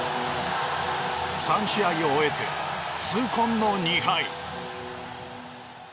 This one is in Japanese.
３試合を終えて痛恨の２敗。